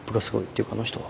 ていうかあの人は？